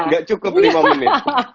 gak cukup lima menit